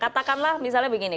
katakanlah misalnya begini